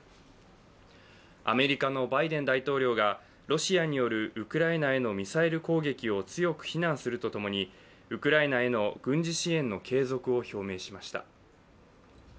アメリカのバイデン大統領がロシアによるウクライナへのミサイル攻撃を強く非難するとともにウクライナへの軍事支援の継続を表明しました。